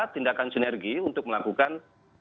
tindakan sinergi untuk melakukan